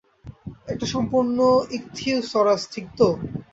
একটা সম্পূর্ণ ইকথিওসরাস, ঠিক তো?